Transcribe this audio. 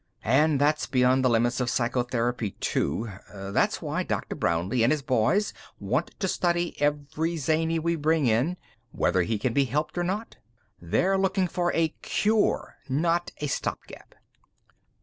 And that's beyond the limits of psychotherapy, too. That's why Dr. Brownlee and his boys want to study every zany we bring in, whether he can be helped or not. They're looking for a cure, not a stopgap."